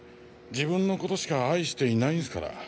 自分の事しか愛していないんスから。